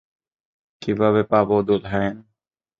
কীভাবে পাব, দুলহায়েন?